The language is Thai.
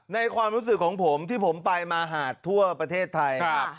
ความรู้สึกของผมที่ผมไปมาหาดทั่วประเทศไทยครับ